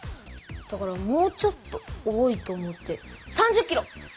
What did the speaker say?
だからもうちょっと多いと思って３０キロ！